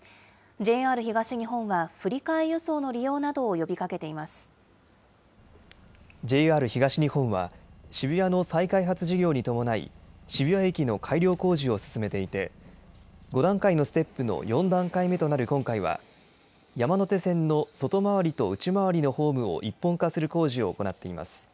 ＪＲ東日本は、振り替え輸送の利ＪＲ東日本は、渋谷の再開発事業に伴い、渋谷駅の改良工事を進めていて、５段階のステップの４段階目となる今回は、山手線の外回りと内回りのホームを一本化する工事を行っています。